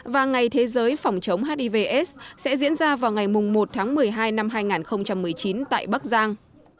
và ngày thế giới phòng chống hiv aids sẽ diễn ra vào ngày một tháng một mươi hai năm hai nghìn một mươi chín tại bắc giang